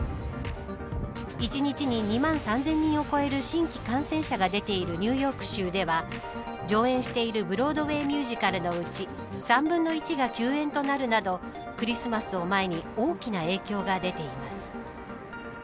１日に２万３０００人を超える新規感染者が出ているニューヨーク州では上演しているブロードウェーミュージカルのうち３分の１が休演となるなどクリスマスを前に大きな影響が出ています。